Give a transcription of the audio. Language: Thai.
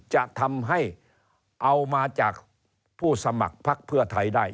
จะทำให้เอามาจากผู้สมัครพักเพื่อไทยได้